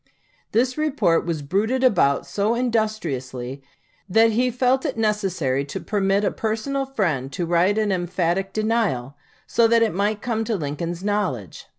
This report was bruited about so industriously that he felt it necessary to permit a personal friend to write an emphatic denial, so that it might come to Lincoln's knowledge.